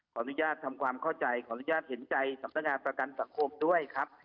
ขออนุญาตทำความเข้าใจขออนุญาตเห็นใจสำนักงานประกันสังคมด้วยครับ